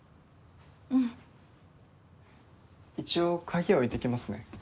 うん一応鍵置いていきますね